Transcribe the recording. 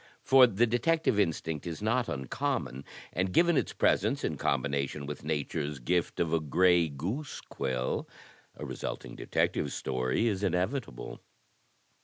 For the detective instinct is not uncommon, and given its presence in combination with Nature's gift of a gray goose quill, a resulting Detective Story is inevitable.